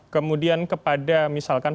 kemudian kepada misalkan